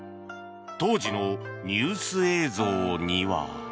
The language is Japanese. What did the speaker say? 当時のニュース映像には。